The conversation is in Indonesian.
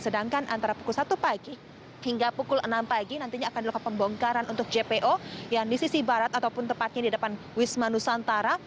sedangkan antara pukul satu pagi hingga pukul enam pagi nantinya akan dilakukan pembongkaran untuk jpo yang di sisi barat ataupun tepatnya di depan wisma nusantara